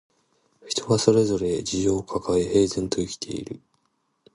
人はそれぞれ事情をかかえ、平然と生きている